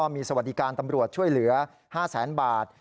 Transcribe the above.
มีสวัสดิการตำรวจช่วยเหลือ๕แสนบาท